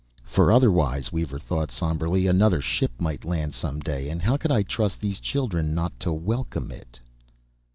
... For otherwise, Weaver thought somberly, another ship might land, some day. And how could I trust these children not to welcome it?